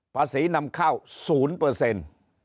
ภาษีนำเข้าศูนย์เปอร์เซนต์